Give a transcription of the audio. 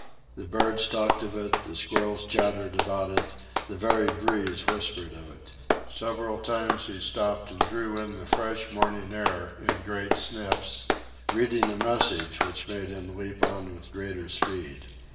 The birds talked of it, the squirrels chattered about it, the very breeze whispered of it. Several times he stopped and drew in the fresh morning air in great sniffs, reading a message which made him leap on with greater speed.